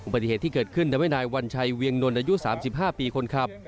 ปฏิเหตุที่เกิดขึ้นเป็นวัญไนวรรณชัยเวียงนนท์อายุสามสิบห้าปีคนขับ